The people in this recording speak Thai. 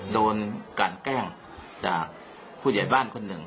โดนกันแกล้งจากผู้ใหญ่บ้านคนหนึ่ง